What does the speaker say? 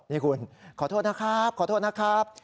นี่คุณขอโทษนะครับขอโทษนะครับ